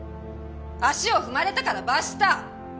足を踏まれたから罰した？